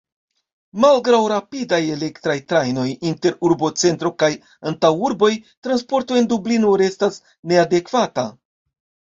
Malgraŭ rapidaj elektraj trajnoj inter urbocentro kaj antaŭurboj, transporto en Dublino restas neadekvata.